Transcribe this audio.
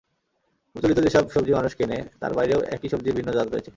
প্রচলিত যেসব সবজি মানুষ চেনে, তার বাইরেও একই সবজির ভিন্ন জাত রয়েছে।